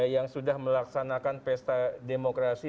yang sudah melaksanakan pesta demokrasi